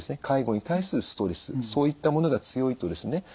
介護に対するストレスそういったものが強いとですね